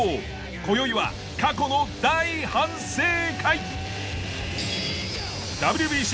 今宵は過去の大反省会！